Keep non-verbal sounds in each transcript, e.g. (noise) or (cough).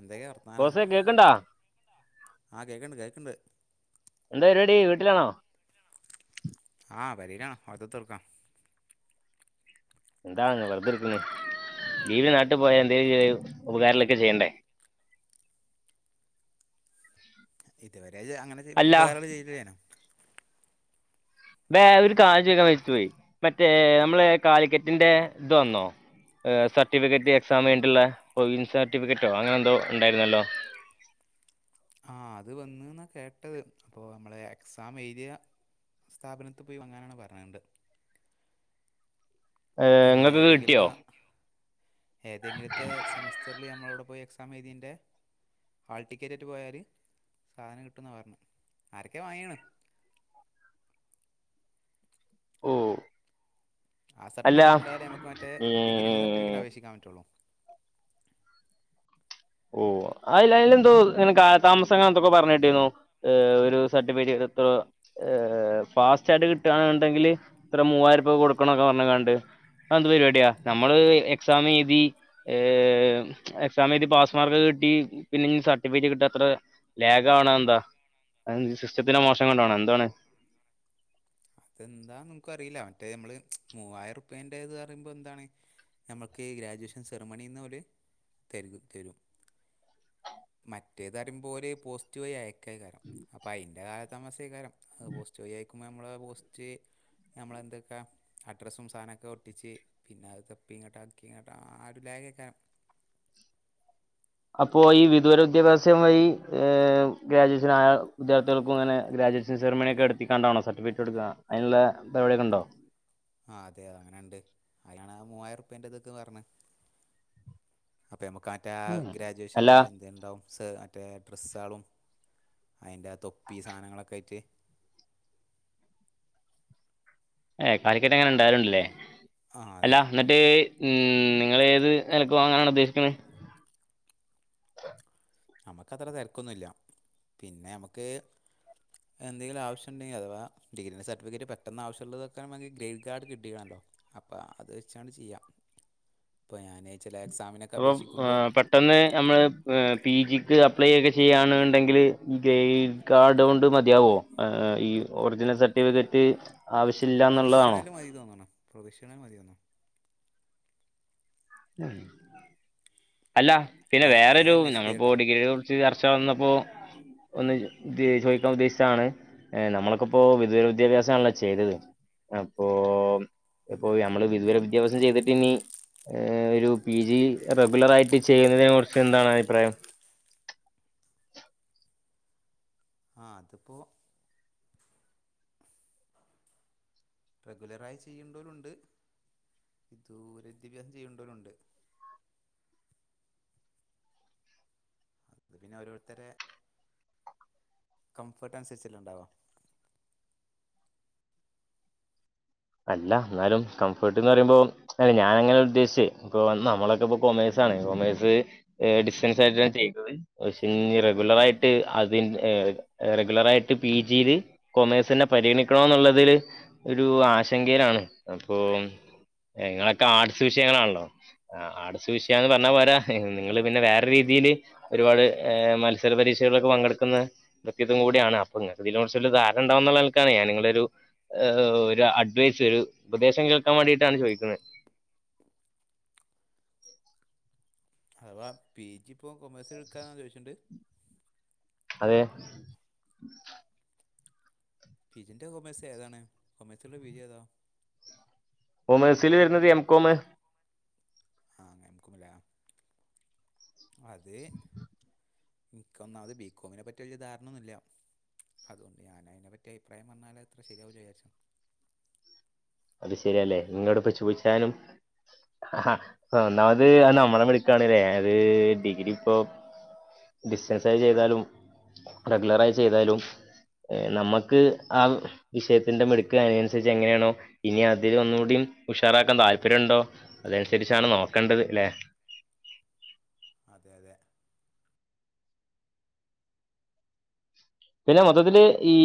എന്തൊക്കെയാ വർത്തമാനം ബോസേ കേക്കണ്ടാ ആഹ് കേക്കണ്ട് കേക്കണ്ട് എന്താ പരിപാടി വീട്ടിലാണോ വീട്ട്ലാണോ? ആഹാ പെരിലാണ് വെർതെ കുത്തർക്കാ എന്താ വെറുതിരിക്കുന്നു ബീവി നാട്ടിൽ പോയ എന്തതി ഉപകാരങ്ങളൊക്കെ ചെയ്യണ്ടേ ഇതുവരെ അങ്ങനെ അല്ല ഉപകാരങ്ങൾ ചെയ്ത്ല്ലേനോ (unintelligible) ഒരു കാര്യം ചോയ്ക്കാൻ വിട്ട് പോയി മറ്റേ ഞ്ഞമ്മളെ കാലിക്കറ്റിന്റെ ഇത് വന്നോ? സർട്ടിഫിക്കറ്റ് എക്സാം കഴിഞ്ഞിട്ടുള്ള കോവിൻ സർട്ടിഫിക്കറ്റോ അങ്ങനെ എന്തോ ഉണ്ടായിരുന്നല്ലോ ആഹ് അത് വന്ന് എന്നാണ് കേട്ടത് അപ്പോൾ നമ്മളെ എക്സാം എഴുതിയ സ്ഥാപനത്ത് പോയി വങ്ങാനാണ് പറഞ്ഞത് നമ്മൾ നിങ്ങൾക്ക് കിട്ടിയോ ഏതെങ്കിലൊക്കെ ഏതെങ്കിലത്തെ സെമസ്റ്ററിൽ നമ്മള് അവിടെ പോയി എക്സാം എഴുതിൻ്റെ ഹാൾ ടിക്കറ്റായിട്ട് പോയാൽ സാധനം കിട്ടുമെന്ന പറഞ്ഞു ആരൊക്കെ വാങ്ങിയാണ് ഓഹ് ആ സർട്ടിഫിക്കറ്റ് ഇണ്ടായാലെ ഞ്ഞമ്മക്ക് മറ്റെ ഡിഗ്രീന്റെ സർിഫിക്കറ്റ് ഈ അപേക്ഷിക്കാൻ പറ്റൊള്ളൂ ഓഹ് അയില് എന്തോ ങ്ങനെ കാലതാമസം പ്പങ്ങനെന്തൊക്കെ പറണേട്ടിരുന്നു ഒരു സർട്ടിഫിക്കറ്റ് എന്തോ ഏഹേ ഫാസ്റ്റായിട്ട് കിട്ടാണ്ന്ന്ണ്ടെങ്കില് എത്ര മൂവായിരപ്പിക്കെ കൊടുക്കണൊക്കെ പറഞ്ഞ് കാണ്ട് എന്ത് പരിപാടിയാ നമ്മള് എക്സാം എഴുതി എക്സാം എഴുതി പാസ് മാർക്ക് കിട്ടി പിന്നെ സർട്ടിഫിക്കറ്റ് കിട്ടി അത്ര ലേഗ് ആവണ് എന്താ അതെന്തെ സിസ്റ്റത്തിന്റെ മോശം കൊണ്ടാണോ എന്താണ്? അതെന്താ ൻക്ക് അറിയില്ല മറ്റേ നമ്മള് മൂവായിരം രൂപേൻറേത് പറയുമ്പോ എന്താണ് ഞ്ഞമ്മക്ക് ഗ്രാജുവേഷൻ സെർമണിന്നോല് തെരുകും തെരും മറ്റേത് പറയുമ്പോ ഒരു പോസ്റ്റ് വഴി അയ ആയികാരം അപ്പം അതിൻറെ കാല താമസമായികാരം അത് പോസ്റ്റ് വഴി അയക്കുമ്പോൾ നമ്മൾ പോസ്റ്റ് നമ്മളെന്തൊക്കെ അഡ്രസ്സും സാനമൊക്കെ ഒട്ടിച്ച് പിന്നെ അത് തപ്പി ഇങ്ങോട്ട് ആക്കി ഇങ്ങോട്ട് ആ ഒരു ലാഗ് ആക്ക അപ്പോ ഈ വിദൂര വിദ്യാഭ്യാസം വഴി ഗ്രാജുവേഷൻ ആയ വിദ്യാർഥികൾക്കും അങ്ങനെ ഗ്രാജുവേഷൻസർമണിയൊക്കെ എടുത്തിടാന്നോ സട്ടിഫിക്കറ്റ് എടുക്കുക അതിനുള്ള പരിപടിയൊ ഉണ്ടോ ആഹ് അതെ അത് അങ്ങനെയണ്ട് അയാണ് മൂവായിറുപ്പേന്റതക്ക് പറഞ്ഞ് അപ്പം ഞമ്മക്ക് അറ്റേ ഉം അല്ല ഗ്രാജുവേഷന്റെ എന്തേം ഇണ്ടാവും സ് അറ്റേ ഡ്രസ്സാളും അയിൻ്റ തൊപ്പി സാധനങ്ങളൊക്കായിട്ട് ഏ കാലിക്കട്ടെങ്ങനെ ഉണ്ടാവലുണ്ടല്ലേ ആ അല്ല അതെ എന്നി ട്ട് മ്മ് നിങ്ങളേത് വെലക്ക് വാങ്ങാനാണ് ഉദ്ദേശിക്കുന്നെ? അമ്മക്ക് അത്ര തെരക്കൊന്നുയില്ല പിന്നെ നമുക്ക് എന്തെങ്കിലും ആവശ്യുണ്ടെങ്കി അഥവാ ഡിഗ്രിന്റ സർട്ടിഫിക്കറ്റ് പെട്ടെന്നാവശ്യുള്ളതൊക്കെയാണങ്കി ഗ്രേഡ് കാർഡ് കിട്ടീണല്ലോ അപ്പ അത് വെച്ചാണ് ചെയ്യാം (inaudible) പാനെ ചെല എക്സാമിനൊക്ക അപേക്ഷിക്കുമ്പോ ട്ടെന്ന് ഞമ്മള് ഏഹ് പി ജിക്ക് അപ്ലൈ ഒക്കെ ചെയ്യാണുണ്ടെങ്കില് ഈ ഗ്രേ കാർഡോണ്ട് മതിയാവോ ആഹ് ആഹ് ഈ ഒറിജിനൽ സർട്ടിഫിക്കറ്റ്? ആവശ്യമില്ല എന്നുള്ളതാണോ പ്രൊവിഷണല് മതീന്ന് തോന്നണ് പ്രൊവിഷണല് മതീന്നൊ അല്ല പിന്നെ ആ അത് ഞാൻ വേറൊരു അന്വേഷിച്ചിട്ട് നമ്മളിപ്പോ കേട്ടോ ഡിഗ്രിടെ ഒ ച്ച് ചർച്ച വന്നപ്പോ ഒന്ന് ചോദിക്കാൻ ഉദ്ദേശിച്ചണ് ഏഹ് നമ്മളൊക്കിപ്പോ വിദൂര വിദ്യാഭ്യാസമാണല്ലോ ചെയ്തത്. അപ്പോ ഇപ്പൊ ഞമ്മള് വിദൂരവിദ്യാഭ്യാസം ചെയ്തിട്ടിനി മ്മ് ഒരു പി ജി റെഗുലറായിട്ട് ചെയ്യുന്നതിനെ കുറിച്ച് എന്താണ് അഭിപ്രായം? ആഹ് അതിപ്പോ റെഗുലറായി ചെയ്യുണ്ടോരുണ്ട് വിദൂര വിദ്യാഭ്യാസം ചെയ്യുണ്ടോരുവൊണ്ട് അത് പിന്ന ഓരോരുത്തരെ കംഫർട്ട് അനുസരിച്ചല്ലേ ണ്ടാവാ അല്ല ന്നാലും കംഫർട്ട്ന്ന് പറയുമ്പോ അല്ല ഞാനങ്ങനല്ല ഉദ്ദേശിച്ചേ ഇപ്പൊ നമ്മളൊക്കപ്പ കൊമേഴ്സാണെ കോമേഴ്സ് ഏഹ് ഡിസ്റ്റൻസാർയിട്ടാണ് ചെയ്തതെ പക്ഷേ റെഗുലറായിട്ട് അതി ഏഹ് റെഗുലറായിട്ട് പി ജീല് കൊമേഴ്സിനെ പരിഗണിക്കണോന്നുള്ളതില് ഒരു ആശങ്കയിലാണ് അപ്പം എ ങ്ങളൊക്ക ആർട്സ് വിഷയങ്ങളാണല്ലോ ആഹ് ആർട്സ് വിഷയാന്ന് പറഞ്ഞാ പോരാ നിങ്ങള് പിന്നെ വേറെരുരീതീല് ഒരുപാട് ഏഹ് മത്സര പരീക്ഷകളിലൊക്കെ പങ്കെടുക്കുന്ന ഇതും കൂടിയാണ് അപ്പ നിങ്ങക്ക് ഇതിനെ കുറിച്ചൊരു ധാരണ ഇണ്ടാവെന്നുള്ള നിൽക്കാണ് ഞാൻ നിങ്ങളെയൊരു ഏഹ് ഒരു അഡ് അഡ്വൈസ് ഒരു ഉപദേശം കേൾക്കാൻ വേണ്ടീട്ടാണ് ചോയിക്കുന്നെ അഥവാ പി ജി ഇപ്പോ കൊമേഴ്സ് എടുക്കാന്നൊരു വിഷയുണ്ട് അതെ. പീ ജിൻ്റ കൊമേഴ്‌സ് ഏതാണ് കൊമേഴ്‌സല്ള്ള പീ ജി ഏതാ? കൊമേഴ്സില് വരുന്നത് എം കോമ്. ആഹ് അങ്ങ എം കോമിലാ അത് എനിക്കൊന്നാമത് ബികോമിനെ പറ്റി വല്യ ധാരണ ഒന്നുല്ല. അതുകൊണ്ട് ഞാനയിനെ പറ്റി അഭിപ്രായം പറഞ്ഞാല് അത്ര ശരിയാവൂല ചാരിച്ചു അത് ശരിയാല്ലേ നിങ്ങളോടിപ്പോ ചോയ്ച്ചാലും ആഹ ഒന്നാമത് ആഹ് നമ്മളമിടുക്കാണേലേ അത് ഡിഗ്രി പ്പോ ഡിസ്റ്റൻസായി ചെയ്താലും റെഗുലറായി ചെയ്താലും ഏഹ് നമ്മക്ക് ആ വിഷയത്തിന്റെ മിടുക്ക് അയിനനുസരിച്ച് എങ്ങനെയാണോ ഇനി അതിനെ ഒന്നൂടി ഉഷാറാക്കാൻ താല്പര്യോണ്ടോ അതനുസരിച്ചാണ് നോക്കേണ്ടത് ല്ലെ? അതെ അതെ പിന്നെ മൊത്തത്തില് ഈ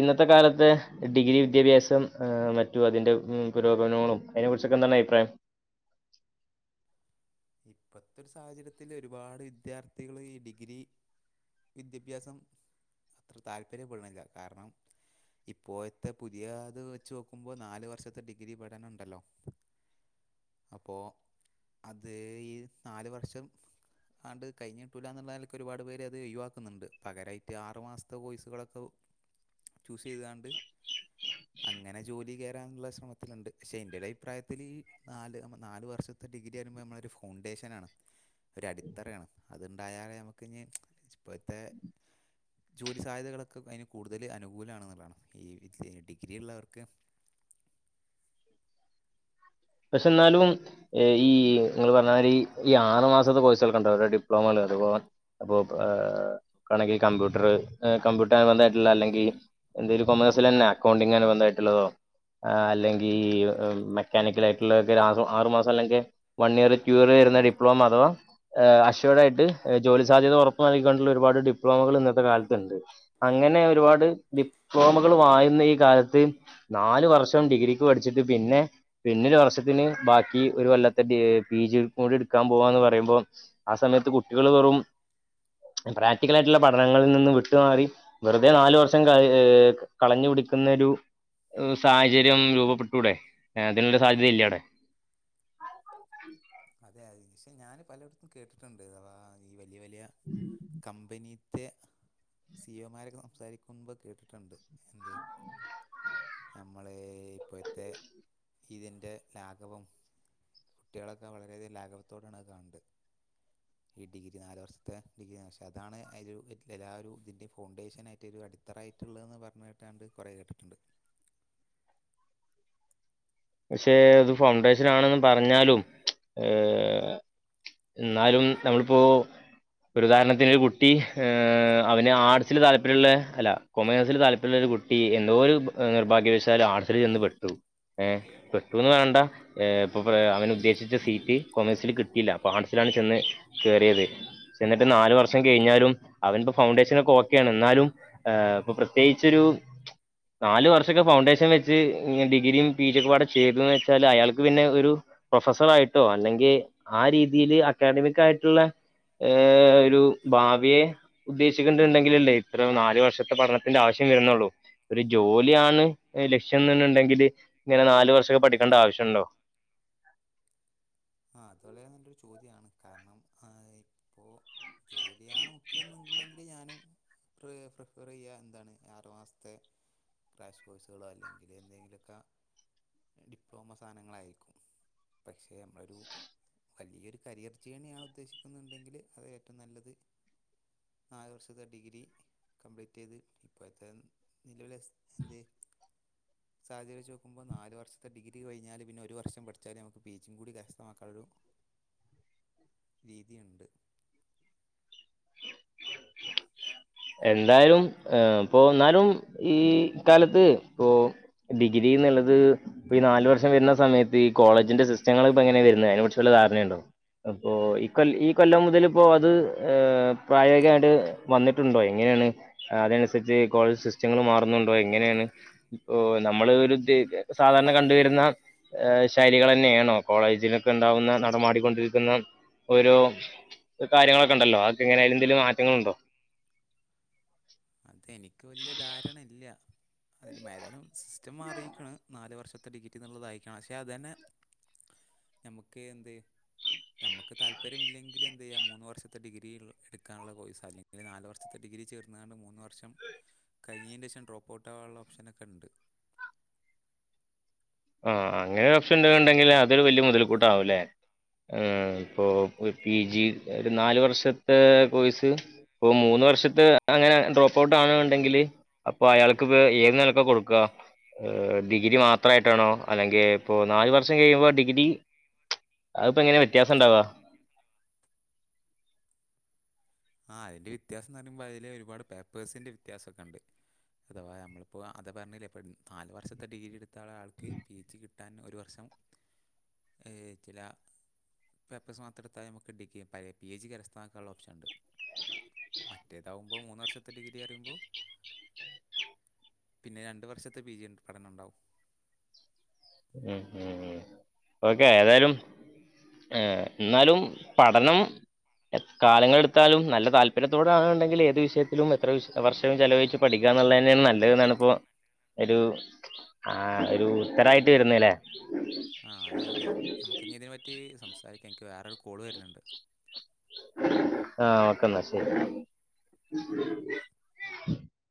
ഇന്നത്തെ കാലത്തെ ഡിഗ്രി വിദ്യാഭ്യാസം അഹ് മറ്റും അതിന്റെ മ്മ് പുരോഗമനങ്ങളും അയ്നെ കുറിച്ചൊക്കെ ന്താണ് അഭിപ്രായം? ഇപ്പൊത്തൊരു സാഹചര്യത്തില് ഒരുപാട് വിദ്യാർത്ഥികള് ഈ ഡിഗ്രി വിദ്യാഭ്യാസം അത്ര താല്പര്യപ്പെടുന്നില്ല കാരണം ഇപ്പോഴത്തെ പുതിയ ത് വെച്ച് നോക്കുമ്പോ നാല് വർഷത്തെ ഡിഗ്രി പഠനം ഉണ്ടല്ലോ അപ്പോ. ത് ഈ നാല് വർഷം. ആണ്ട് കഴിഞ്ഞിട്ടൂല്ലാന്നുള്ള നിലക്ക് ഒരുപാട് പേര് അത് ഒഴിവാക്കുന്നുണ്ട് പകരായിട്ട് ആറ് മാസത്തെ കോഴ്സുകളൊക്കെ ഒ. (inaudible) ചൂസ് ചെയ്താണ്ട്. (inaudible) അങ്ങനെ ജോലി കേറാംനുള്ള ശ്രമത്തിലുണ്ട് ക്ഷേ എൻ്റെ ഒരു അഭിപ്രായത്തിൽ നാല് അ നാല് വർഷത്തെ ഡിഗ്രി വരുമ്പോൾ നമ്മളൾ. ഒരു ഫൗണ്ടേഷനാണ്. ഒരു അടിത്തറയാണ്. അതുണ്ടായാലേ നമുക്ക ഞ്ഞി ഇപ്പോഴത്തെ. ജോലി സാധ്യതകളൊക്കെ അതിന് കൂടുതൽ അനുകൂലാണെന്നുള്ളതാണ് ഈ വി ഡിഗ്രി ഉള്ളവർക്ക്. പക്ഷെ ന്നാലും. ഏഹ് ഈ നിങ്ങങ്ങള് പറഞ്ഞ മാരി ഈ ആറ് മാസത്തെ കോഴ്സുകളൊ (unintelligible) ഡിപ്ലോമല്ല അത്പോലെ. അപ്പൊ ഏഹ് ക്കണെങ്കിൽ കമ്പ്യൂട്ടർ എഹ് കമ്പ്യൂട്ടർ അനുബന്ധായിട്ടുള്ള അല്ലെങ്കിൽ. എന്തേലും കൊമേഴ്സിലന്നേ അക്കൗണ്ടിംഗ് ബന്ധായിട്ടുള്ള തോ. ആ അല്ലെങ്കിൽ ഹ് മെക്കാനിക്കലയി. ള്ളൊര്ക്ക് ആസം ആറ് മാസം അല്ലെങ്കിൽ വൺ ഇയർ റ്റു ഇയർ വരുന്ന ഡിപ്ലോമ അഥവാ ഏ അശോർഡായിട്ട് ജോലി സാധ്യത ഉറപ്പു നൽകിക്കൊണ്ടുള്ള ഒരുപാട് ഡിപ്ലോമകൾ ഇന്നത്തെ കാലത്ത്ണ്ട്. അങ്ങനെ ഒരുപാട് ഡിപ്ലോമകൾ വായുന്ന ഈ കാലത്ത്. നാലു വർഷം ഡിഗ്രിക്ക് പഠിച്ചിട്ട് പിന്നെ പിന്നരു വർഷം. ത്തിന് ബാക്കി ഒരു കൊല്ലത്തെ ഏഹ് പി ജി കൂടി എടുക്കാൻ പോവാ എന്ന് പറയുമ്പോ. ആ സമയത്ത് കുട്ടികൾ വെറും പ്രാക്ടിക്കലായിട്ടുള്ള പഠനങ്ങളിൽ നിന്നും വിട്ടു മാറി. വെറുതെ നാലു വർഷം ക ഏ കളഞ്ഞു പിടിക്കുന്നൊരു. ഉം സാഹചര്യം രൂപപ്പെട്ടൂടെ എ അതിനൊരു സാധ്യത ഇല്ല്യ. ഹേ തെ ക്ഷെ ഞാൻ പലയിടത്തും കേട്ടിട്ടുണ്ട് അഥവാ ഈ വലിയ വലിയ കമ്പനി. ത്തെ സി ഒ മാരൊക്കെ സംസാരിക്കുമുമ്പ കേട്ടിട്ടുണ്ട് എന്ത് നമ്മൾ ഇപ്പോഴത്തെ ഇതിൻ്റെ ലാഘവം കുട്ട്യാളൊക്കെ വളരെയധികം ലാഘവത്തോടാണ് അത് കാണ് ണ്ട്. ഈ ഡിഗ്രി നാല് വർഷത്തെ ഡിഗ്രി പക്ഷേ അതാണ് അയിലൊരു (unintelligible) തിൻ്റെ ഫൗണ്ടേഷനായിട്ടൊരു അടി. ത്തറായിട്ടുള്ളതന്ന് പറഞ്ഞിട്ടാണ്ട് കുറേ കേട്ടിട്ടുണ്ട്. പക്ഷെ അത് ഫൗണ്ടേഷനാണെന്ന് പറഞ്ഞാലും ഏ. ഇന്നാലും നമ്മളിപ്പോ. ഒരു ഉദാഹരണത്തിന് ഒരു കുട്ടി ഏ അവന് ആർട്സില് താല്പര്യള്ള അല്ല. കൊമേഴ്സിൽ താൽപര്യള്ള ഒരു കുട്ടി എന്തോ ഒരു ഭ നിർഭാഗ്യവശാൽ ആർട്സിൽ ചെന്ന് പെട്ടു. ഏഹ് പെട്ടുന്ന് വാണ്ട. ഏഹ് പം അവൻ ഉദ്ദേശിച്ച സീറ്റ് കൊമേഴ്സിൽ കിട്ടിയില്ല അപ്പൊ ആർട്സിലാണ് ചെന്ന് കേയറിയത്. ചെന്നിട്ട് നാല് വർഷം കഴിഞ്ഞാലും അവനിപ്പം ഫൗണ്ടേഷനൊക്കെ ഓക്കെയാണ് എന്നാലും. ഏഹ് ഇപ്പൊ പ്രത്യേകിച്ചൊരു നാലു വർഷൊക്കെ ഫൗണ്ടേഷൻ വെച്ച് ഡിഗ്രിം. പീ ജി ഒക്കപ്പാടെ ചെയ്ത് വെച്ചാൽ അയാൾക്ക് പിന്നെ ഒരു. പ്രൊഫസർ ആയിട്ടോ അല്ലെങ്കിൽ ആ രീതിയില് അക്കാഡമിക് ആയിട്ടുള്ള. ഏ ഒരു ഭാവിയെ. ഉദ്ദേശിക്കണ്ടണ്ടെങ്കിലല്ലേ ഇത്ര നാല് വർഷത്തെ പഠനത്തിന്റെ ആവശ്യം വരുന്നുള്ളൂ. ഒരു ജോലിയാണ് എ ലക്ഷ്യം ന്ന് ന്ന് ഉണ്ടെങ്കില് ഇങ്ങനെ നാല് വർഷൊക്കെ പഠിക്കേണ്ട ആവശ്യണ്ടോ? ആ അത് വളരെ നല്ലൊരു ചോദ്യമാണ് കാരണം ഏ ഇപ്പോ. ജോലിയാണ് മുക്യംന്നുണ്ടെങ്കില് ഞാനും. പൃ പ്രിഫറയ്യാ എന്താണ് ആറ് മാസ്ത്തെ. ക്രാഷ് കോഴസുകളോ അല്ലെങ്കിൽ എന്തെങ്കിലൊക്ക. ഡിപ്ലോമോ സാധനങ്ങളായിരിക്കും പക്ഷേ. ഒരു വല്ല്യരു കരിയർ ജേണിയാണ് ഉദ്ദേശിക്കുന്നുണ്ടെങ്കിൽ അത് ഏറ്റവും നല്ലത്. നാല് വർഷത്തെ ഡിഗ്രി. കംപ്ലീറ്റ് ചെയ്ത് ഇപ്പോഴത്തെ നിലവിലെസ് എന്തേ സാഹചര്യം വെച്ച് നോക്കുമ്പോ നാല് വഷത്തെ ഡിഗ്രി കിഞ്ഞാല് പിന്നെ ഒരു വർഷം പഠിച്ചാല് നമുക്ക് പിജിം കൂടി ക സ്തമാക്കഴു രീതിയുണ്ട് എന്തായാലും ഏഹ് ഇപ്പൊ എന്നാലും ഈ കാലത്ത് ഇപ്പൊ ഡിഗ്രിന്നുള്ളത് ഇപ്പ ഈ നാല് വർഷം വരുന്ന സമയത്ത് ഈ കോളെജിന്റെ സിസ്റ്റങ്ങള് ഇപ്പോ എങ്ങനെ വരുന്നെ അതിനെകുറിച്ച് വല്ല ധാരണേണ്ടോ അപ്പോ ഈ കൊല്ല ഈ കൊല്ലം മുതലിപ്പോ അത് ഏഹ് പ്രായോഗികായിട്ട് വന്നിട്ട് ട്ടുണ്ടോ എങ്ങനെണ് അതനുസരിച്ച് കോളേജ് സിസ്റ്റങ്ങള് മാറുന്നുണ്ടോ എങ്ങനെയാണ് ഇപ്പോ നമ്മള് ഒരു ദേ സാധാരണ കണ്ടുവരുന്ന ഏഹ് ശൈലികള് തന്നെണോ കോളേജിലൊക്കെ ഉണ്ടാവുന്ന നടമാടിക്കൊണ്ടിരിക്കുന്ന ഒരു ഒരു കാര്യങ്ങളൊക്കെണ്ടല്ലോ അതൊക്കെങ്ങനെ എന്തേലും മാറ്റങ്ങളുണ്ടോ അതെനിക്ക് വല്ല്യ ധാരണ ഇല്ല്യ അതില് മെലനും സിസ്റ്റം മാറിയിക്കണ് നാല് വർഷത്തെ ഡിഗ്രിന്നുള്ളതായിക്കണ് പക്ഷെ അത് തന്നെ ഞമുക്ക് എന്തേ ഞമ്മക്ക് താല്പര്യമില്ലെങ്കിൽ എന്ത് ചെയ്യ മൂന്ന് വർഷത്തെ ഡിഗ്രി എടുക്കാനുള്ള കോഴ്സ് അല്ലെങ്കി ങ്കില് നല് വർഷത്തെ ഡിഗ്രി ചേർന്നാണ്ട് മൂന്ന് വർഷം കഴിഞ്ഞതിന്റെ ശേഷം ഡ്രോപൗട്ടാകാനുള്ള ഓപ്ഷനൊക്കെ ഉണ്ട് ആഹ് അങ്ങനെ ഒരു ഓപ്ഷൻ ഉണ്ടെന്നുണ്ടെങ്കില് അതൊരു വലിയ മുതൽ കൂട്ടാവൂല്ലേ ഏഹ് ഇപ്പോ ഒരു പി ജി ഒരു നാല് വർഷത്തെ കോഴ്സ് ഇപ്പോ മൂന്ന് വർഷത്തെ അങ്ങനെ ഡ്രോപ്പ് ഔട്ട് ആണെന്നുണ്ടെങ്കില് അപ്പൊ അയാൾക്ക് വേ ഏത് നിലക്കെ കൊടുക്കുക ഡിഗ്രി മാത്രായിട് ട്ടാണോ അല്ലെങ്കിൽ ഇപ്പോ നാല് വർഷം കഴിയുമ്പോ ഡിഗ്രി അതിപ്പോ എങ്ങനെ വ്യത്യാസം ഉണ്ടാവ ആഹ് അതിന്റെ വ്യത്യാസംന്ന് പറയുമ്പോ അതില് ഒരുപാട് പേപ്പേഴ്സിന്റെ വ്യത്യാസൊക്കെ ഉണ്ട് അഥവാ നമ്മളിപ്പോ അത് പറഞ്ഞില്ലേ ഇപ്പ നാല് വർഷത്തെ ഡിഗ്രി എടുത്ത ഒരാൾക്ക് പി ജി കിട് ട്ടാൻ ഒരു വർഷം ഏഹ് ചില പേപ്പഴ്സ് മാത്രെടുത്താലും നമുക്ക് ഡിഗ്രി പഴെ പി എ ജി കരസ്ഥമാക്കാനുള്ള ഓപ്ഷൻ ഉണ്ട് മറ്റേതാവുമ്പോ മൂന്ന് വർഷത്തെ ഡിഗ്രി പറയുമ്പോ പിന്നെ രണ്ട് വർഷത്തെ പി ജി ണ്ട് പഠനം ഉണ്ടാവും ഉം ഉം ഉം ഓക്കെ ഏതായാലും ഏഹ് ഇന്നാലും പഠനം എത് കാലങ്ങളെടുത്താലും നല്ല താല്പര്യത്തോടാണ് ഉണ്ടെങ്കിൽ ഏത് വിഷയത്തിലും എത്ര വിഷ് വർഷവും ചെലവഴിച്ചും പഠിക്കാന്നുള്ളന്നെയാണ് നല്ലത് എന്നാണ് ഇപ്പോ ഒരു ആഹ് ഒരു ഉത്തരായി ട്ടിരുന്നില്ലേ ആഹ് അതെ അതെ നമുക്ക് ഇനി ഇതിനെ പറ്റി സംസാരിക്കാം എനിക്ക് വേറൊരു കോള് വരുന്നുണ്ട് ആഹ് ഓക്കെന്നാ ശരി